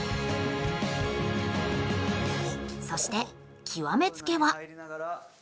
そして極め付けは。